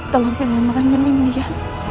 tolong pindahin makam nindi ya